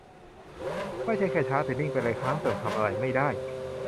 ไม่ใช่แค่ช้า แต่นิ่งไปเลย ค้างเติ่ง ทำอะไรไม่ได้